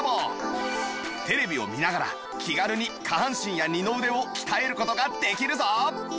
テレビを見ながら気軽に下半身や二の腕を鍛える事ができるぞ